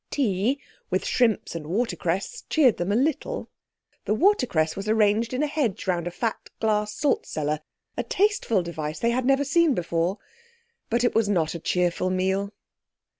Tea—with shrimps and watercress—cheered them a little. The watercress was arranged in a hedge round a fat glass salt cellar, a tasteful device they had never seen before. But it was not a cheerful meal.